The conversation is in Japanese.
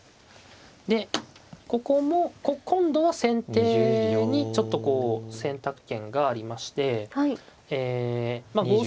でここも今度は先手にちょっとこう選択権がありましてえまあ